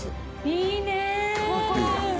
いいねぇ。